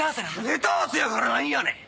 ネタ合わせやから何やねん！